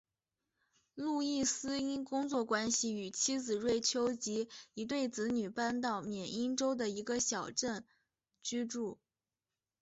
路易斯因工作关系与妻子瑞秋及一对子女搬到缅因州的一个小镇居住。